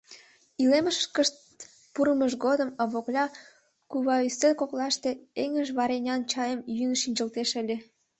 Илемышкышт пурымыж годым Овокля кува ӱстел коклаште эҥыж варенян чайым йӱын шинчылтеш ыле.